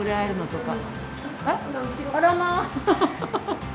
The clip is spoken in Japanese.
あらまあ。